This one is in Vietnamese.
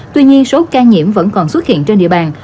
tuy nhiên số ca nhiễm vẫn còn xuất hiện trên địa bàn